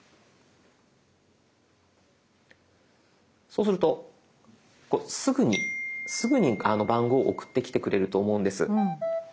そうするとすぐに番号送ってきてくれると思うんです。